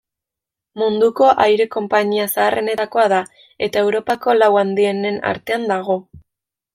Munduko aire-konpainia zaharrenetakoa da, eta Europako lau handienen artean dago.